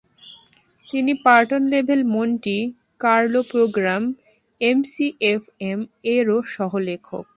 তিনি parton level Monte Carlo program এমসিএফএম-এরও সহ-লেখক।